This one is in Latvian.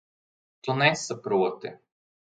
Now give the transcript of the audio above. Tu nesaproti.